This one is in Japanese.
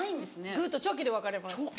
グとチョキで分かれます。